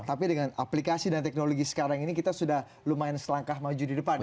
tapi dengan aplikasi dan teknologi sekarang ini kita sudah lumayan selangkah maju di depan ya